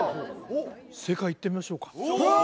正解いってみましょうかうわ！